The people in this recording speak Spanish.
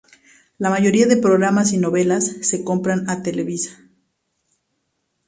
La mayoría de programas y novelas se compran a Televisa.